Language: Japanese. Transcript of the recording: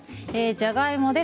じゃがいもです